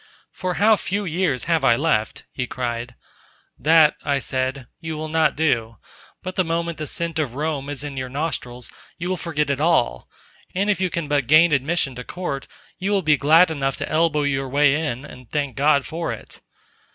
"For how few years have I left!" he cried. "That," I said, "you will not do; but the moment the scent of Rome is in your nostrils, you will forget it all; and if you can but gain admission to Court, you will be glad enough to elbow your way in, and thank God for it."